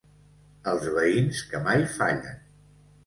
Els veïns que mai fallen.